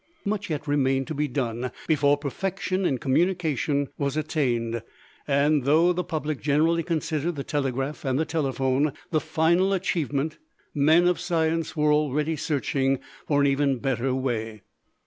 Much yet remained to be done before perfection in communication was attained, and, though the public generally considered the telegraph, and the telephone the final achievement, men of science were already searching for an even better way.